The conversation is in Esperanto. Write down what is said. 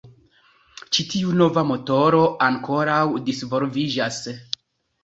Ĉi tiu nova motoro ankoraŭ disvolviĝas.